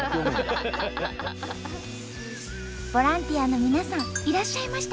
ボランティアの皆さんいらっしゃいました。